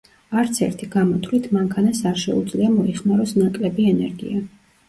არც ერთო გამოთვლით მანქანას არ შეუძლია მოიხმაროს ნაკლები ენერგია.